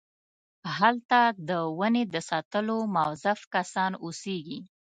هلته د ونې د ساتلو موظف کسان اوسېږي.